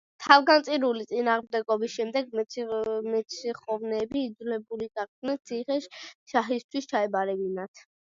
თავგანწირული წინააღმდეგობის შემდეგ მეციხოვნეები იძულებული გახდნენ ციხე შაჰისთვის ჩაებარებინათ.